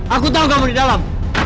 aku tahu kamu di dalam